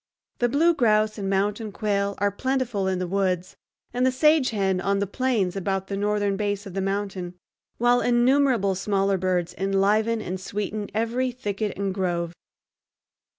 The blue grouse and mountain quail are plentiful in the woods and the sage hen on the plains about the northern base of the mountain, while innumerable smaller birds enliven and sweeten every thicket and grove.